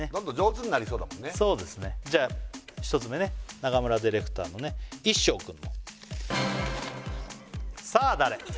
そっかじゃ１つ目ね中村ディレクターのねいっしょうくんさあ誰？